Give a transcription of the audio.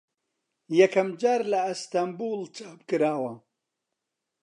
یەکەم جار لە ئەستەمبوڵ چاپ کراوە